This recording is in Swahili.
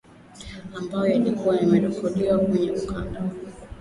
ambayo yalikuwa yamerekodiwa kwenye ukanda